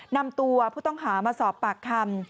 นำตัวผู้ต้องหามาสอบปากคำ